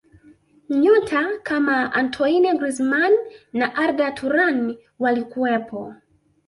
nyota kama antoine grizman na arda turan walikuwepo